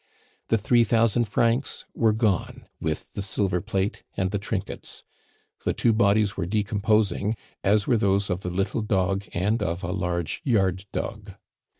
The three thousand francs were gone, with the silver plate and the trinkets. The two bodies were decomposing, as were those of the little dog and of a large yard dog.